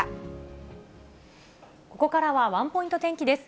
ここからはワンポイント天気です。